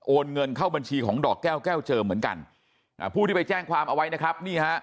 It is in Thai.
เงินเข้าบัญชีของดอกแก้วแก้วเจิมเหมือนกันอ่าผู้ที่ไปแจ้งความเอาไว้นะครับนี่ฮะ